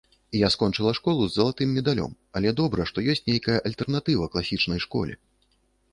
Я скончыла школу з залатым медалём, але добра, што ёсць нейкая альтэрнатыва класічнай школе.